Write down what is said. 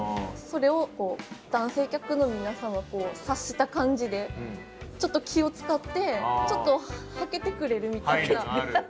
それを男性客の皆さんは察した感じでちょっと気を遣ってちょっとはけてくれるみたいな。